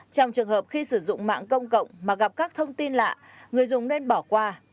trong trường hợp khi sử dụng mạng công cộng mà gặp các thông tin lạ người dùng nên bỏ qua